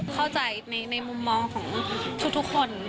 เข้าใจในมุมมองของทุกคน